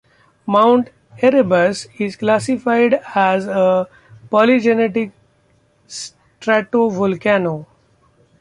Mount Erebus is classified as a polygenetic stratovolcano.